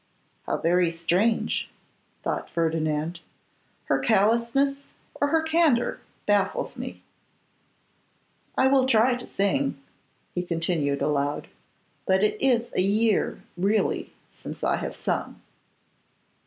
'How very strange!' thought Ferdinand; 'her callousness or her candour baffles me. I will try to sing,' he continued aloud, 'but it is a year, really, since I have sung.